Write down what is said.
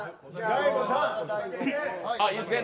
いいですね。